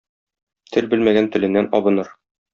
Тел белмәгән теленнән абыныр.